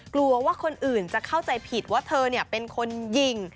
กลัวว่าคนอื่นจะเข้าใจผิดว่าเธอเป็นคนยิง